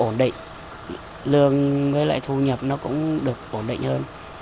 ổn định lương với lại thu nhập nó cũng được ổn định hơn